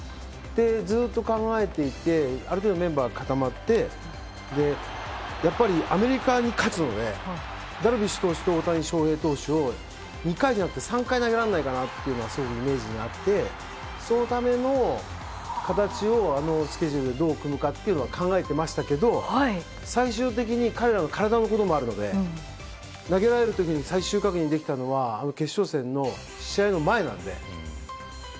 ずっと考えていてある程度メンバー固まってやっぱりアメリカに勝つのでダルビッシュ投手と大谷翔平投手を２回じゃなくて３回投げられないかというのがすごくイメージにあってそのための形をあのスケジュールでどう組むかっていうのは考えてましたけど最終的に彼らの体のこともあるので投げられると最終確認できたのは決勝戦の試合の前なので。